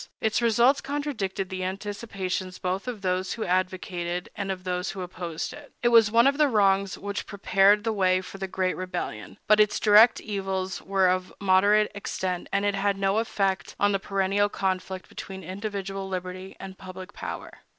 Its results contradicted the anticipations both of those who advocated and of those who opposed it. It was one of the wrongs which prepared the way for the great rebellion; but its direct evils were of moderate extent, and it had no effect on the perennial conflict between individual liberty and public power.